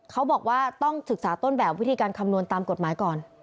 เขาบอกว่าต้องศึกษาต้นแบบวิธีการคำนวณตามกฎหมายก่อน